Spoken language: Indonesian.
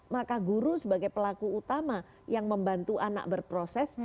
maka guru sebagai pelaku utama yang membantu anak berproses